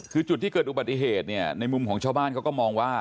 คือจุดที่เกิดอุบัติเหตุเนี่ยในมุมของชาวบ้านเขาก็มองว่า